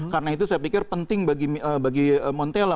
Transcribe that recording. karena itu saya pikir penting bagi montella